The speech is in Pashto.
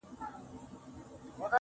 د چا د زړه د چا د سترگو له دېواله وځم_